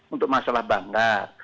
untuk masalah banggar